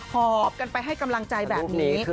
หอบกันไปให้กำลังใจแบบนี้